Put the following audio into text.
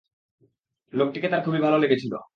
লোকটিকে তার খুবই ভাল লেগেছিল।